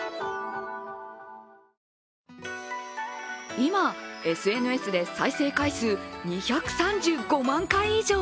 今、ＳＮＳで再生回数２３５万回以上。